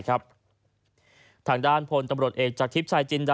ทางด้านพลตำรวจเอกจากทิพย์ชายจินดา